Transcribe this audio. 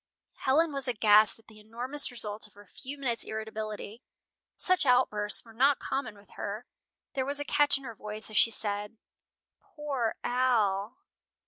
Helen was aghast at the enormous result of her few minutes' irritability. Such outbursts were not common with her. There was a catch in her voice as she said, "Poor Al!"